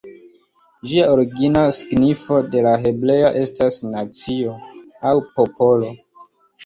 Ĝia origina signifo de la hebrea estas "nacio" aŭ "popolo".